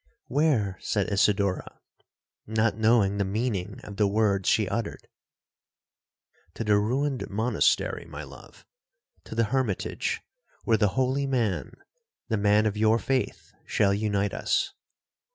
'—'Where?' said Isidora, not knowing the meaning of the words she uttered.—'To the ruined monastery, my love,—to the hermitage, where the holy man, the man of your faith, shall unite us.'